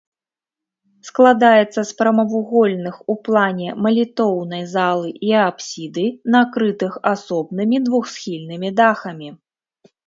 Складаецца з прамавугольных у плане малітоўнай залы і апсіды, накрытых асобнымі двухсхільнымі дахамі.